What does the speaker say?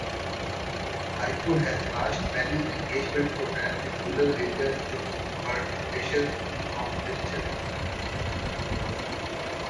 Vaiko has launched many engagement programmes in rural areas with the participation of villagers.